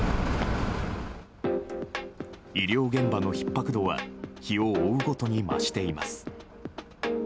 医療現場のひっ迫度は日を追うごとに増しています。